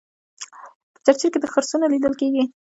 په چرچیل کې خرسونه لیدل کیږي.